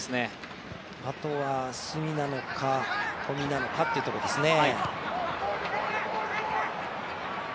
あとは、角なのか小見なのかというところですね。